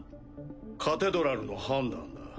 カテドラルの判断だ。